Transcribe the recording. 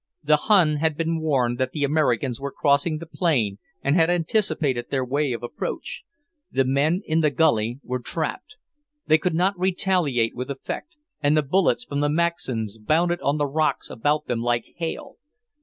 The Hun had been warned that the Americans were crossing the plain and had anticipated their way of approach. The men in the gully were trapped; they could not retaliate with effect, and the bullets from the Maxims bounded on the rocks about them like hail.